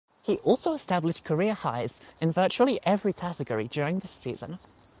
He also established career highs in virtually every category during this season.